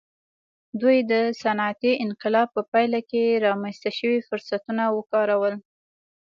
دوی د صنعتي انقلاب په پایله کې رامنځته شوي فرصتونه وکارول.